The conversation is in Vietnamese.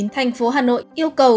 tp hà nội yêu cầu